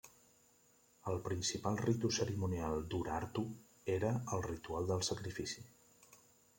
El principal ritu cerimonial d'Urartu era el ritual del sacrifici.